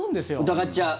疑っちゃう。